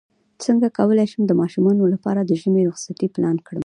څنګه کولی شم د ماشومانو لپاره د ژمی رخصتۍ پلان کړم